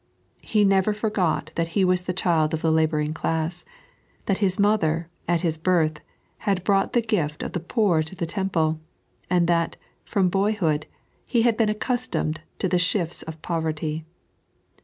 He never foi^ot that He was the child of the labouring classes ; that His mother, at His birth, had brought the gift of the poor to the Temple ; and that, from boyhood. He had been accustomed to the shifts of poverty.